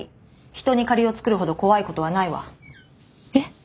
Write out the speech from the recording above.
人に借りを作るほど怖いことはないわ。